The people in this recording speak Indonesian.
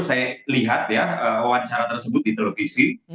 saya lihat ya wawancara tersebut di televisi